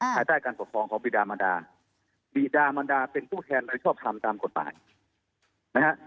ภายใต้การปกครองของบิดามันดาบิดามันดาเป็นผู้แทนโดยชอบทำตามกฎหมายนะฮะ